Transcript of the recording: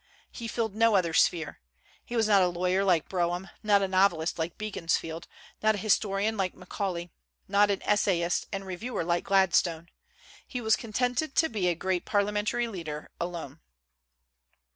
He filled no other sphere. He was not a lawyer like Brougham; not a novelist like Beaconsfield; not a historian like Macaulay; not an essayist and reviewer like Gladstone. He was contented to be a great parliamentary leader alone.